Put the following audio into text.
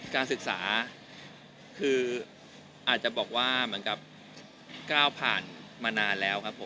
การศึกษาอาจจะบอกว่ากล้าวผ่านมานานแล้ว